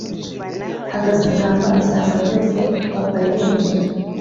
hagasagamba ishyamba ryose bakaryinjira